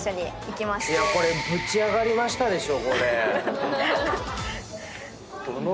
これぶち上がりましたでしょ。